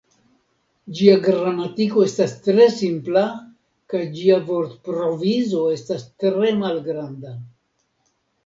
Ĝia gramatiko estas tre simpla kaj ĝia vortprovizo estas tre malgranda.